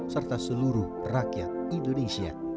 serta seluruh rakyat indonesia